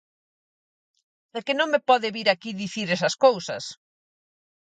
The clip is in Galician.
¡É que non me pode vir aquí dicir esas cousas!